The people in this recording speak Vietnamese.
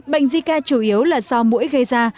bệnh zika chủ yếu là do mũi gây ra